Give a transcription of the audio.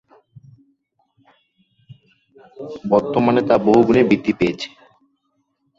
বর্তমানে তা বহুগুণে বৃদ্ধি পেয়েছে।